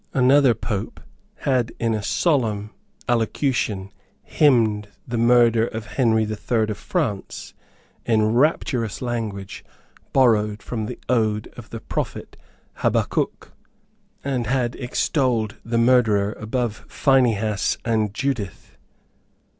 Another Pope had in a solemn allocution hymned the murder of Henry the Third of France in rapturous language borrowed from the ode of the prophet Habakkuk, and had extolled the murderer above Phinehas and Judith.